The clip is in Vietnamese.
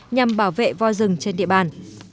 nhằm bảo vệ voi rừng trên địa bàn